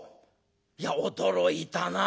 いや驚いたな。